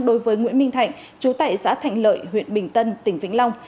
đối với nguyễn minh thạnh chú tại xã thạnh lợi huyện bình tân tỉnh vĩnh long